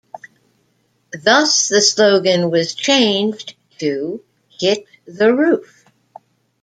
Thus, the slogan was changed to Hit The Roof.